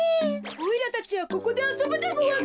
おいらたちはここであそぶでごわす！